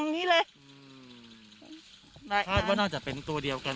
นี้เล่ะ้าวะน่าจะเป็นตัวเดียวกัน